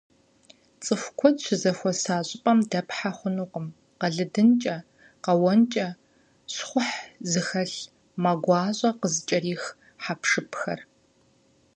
ЦӀыху куэд щызэхуэса щӀыпӀэм дэпхьэ хъунукъым къэлыдынкӀэ, къэуэнкӀэ, щхъухь зыхэлъ, мэ гуащӀэ къызыкӀэрих хьэпшыпхэр.